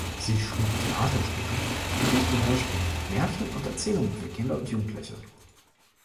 Sie schrieb Theaterstücke, Gedichte, Hörspiele, Märchen und Erzählungen für Kinder und Jugendliche.